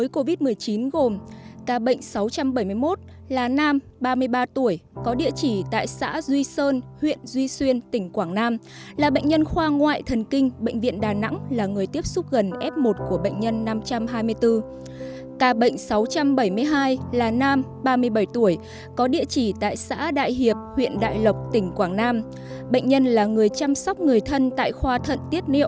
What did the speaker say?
hai ca mắc mới covid một mươi chín gồm